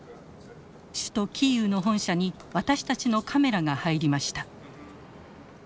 首都キーウの本社に私たちのカメラが入りました。